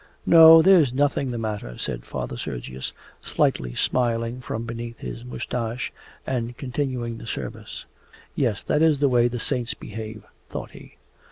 'No, there's nothing the matter,' said Father Sergius, slightly smiling from beneath his moustache and continuing the service. 'Yes, that is the way the Saints behave!' thought he.